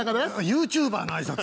ＹｏｕＴｕｂｅｒのあいさつ